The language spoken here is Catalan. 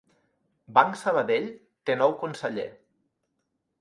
Banc Sabadell té nou conseller